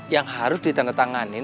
yang harus ditandatangani